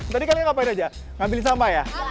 tadi kalian ngapain aja ngambil sampah ya